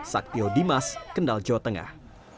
saktio dimas kendal jawa tengah